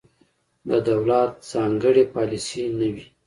د دولت ځانګړې پالیسي نه وي.